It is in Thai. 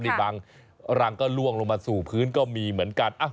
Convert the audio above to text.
นี่บางรังก็ล่วงลงมาสู่พื้นก็มีเหมือนกัน